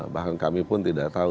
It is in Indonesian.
bahkan kami pun tidak tahu